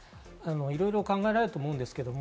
いろいろ考えられると思います。